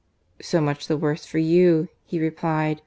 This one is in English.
"So much the worse for you," he replied.